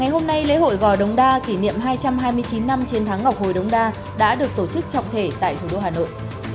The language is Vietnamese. hôm nay lễ hội gò đống đa kỷ niệm hai trăm hai mươi chín năm chiến thắng ngọc hồi đống đa đã được tổ chức trọng thể tại thủ đô hà nội